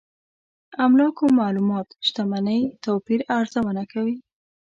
املاکو معلومات شتمنۍ توپير ارزونه کوي.